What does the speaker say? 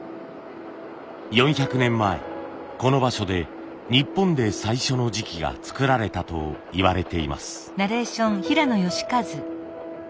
４００年前この場所で日本で最初の磁器が作られたといわれています。